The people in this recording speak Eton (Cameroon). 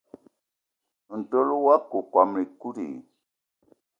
Ntol wakokóm ekut i?